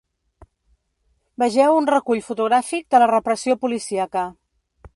Vegeu un recull fotogràfic de la repressió policíaca.